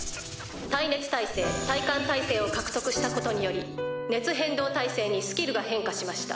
対熱耐性対寒耐性を獲得したことにより熱変動耐性にスキルが変化しました」。